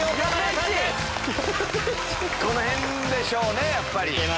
この辺でしょうねやっぱり。